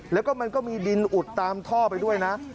แล้วก็มันก็มีดินอุดตามท่อไปด้วยนะ